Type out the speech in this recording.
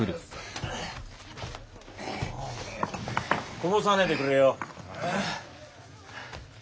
こぼさねえでくれよ。